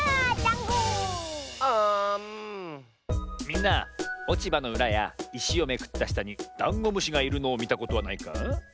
みんなおちばのうらやいしをめくったしたにダンゴムシがいるのをみたことはないか？